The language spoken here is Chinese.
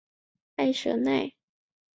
埃舍奈。